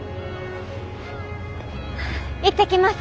行ってきます。